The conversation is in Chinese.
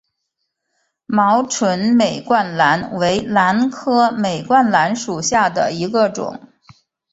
毛唇美冠兰为兰科美冠兰属下的一个种。